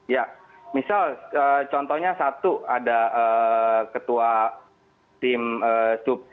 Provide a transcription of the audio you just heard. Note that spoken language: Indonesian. ya misal contohnya satu ada ketua tim sub